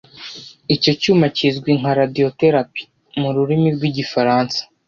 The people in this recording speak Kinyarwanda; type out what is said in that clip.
Icyo cyuma kizwi nka Radiotherapie mu rurimi rw’Igifaransa